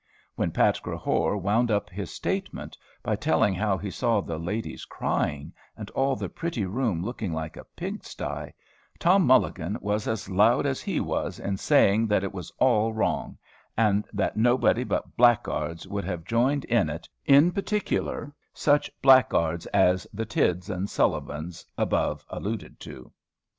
When Pat Crehore wound up his statement, by telling how he saw the ladies crying, and all the pretty room looking like a pig sty, Tom Mulligan was as loud as he was in saying that it was all wrong, and that nobody but blackguards would have joined in it, in particular such blackguards as the Tidds and Sullivans above alluded to.